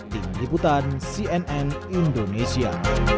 tinggi butan cnn indonesia